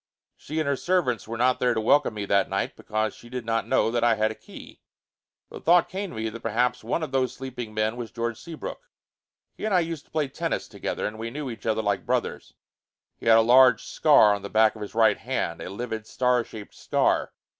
She and her servants were not there to welcome me that night, because she did not know that I had a key. The thought came to me that perhaps one of those sleeping men was George Seabrook. He and I used to play tennis together and we knew each other like brothers. He had a large scar on the back of his right hand; a livid star shaped scar.